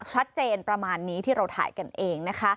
ชัดเจนประมาณนี้ที่เราถ่ายกันเองนะคะ